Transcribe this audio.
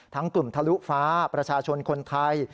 กลุ่มทะลุฟ้าประชาชนคนไทย